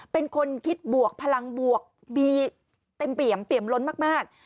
เป็นคนคิดบวกพลังบวกมีเต็มเปี่ยมเปี่ยมล้นมาก